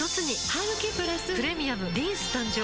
ハグキプラス「プレミアムリンス」誕生